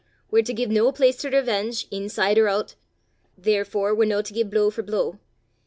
We're to gie no place to revenge, inside or oot. Therefore we're no to gie blow for blow.